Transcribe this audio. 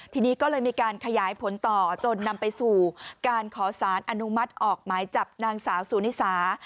ทีนี้ก็เลยมีการขยายผลต่อจนนำไปสู่การขอสารอนุมัติออกหมายจับนางสาวสุนิสา